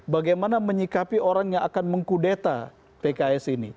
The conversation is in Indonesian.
bagaimana menyikapi orang yang akan mengkudeta pks ini